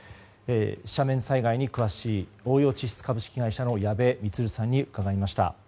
斜面災害に詳しい応用地質株式会社の矢部満さんに伺いました。